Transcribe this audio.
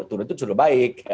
turun itu sudah baik